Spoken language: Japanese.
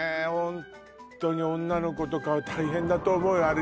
ホントに女の子とかは大変だと思うよ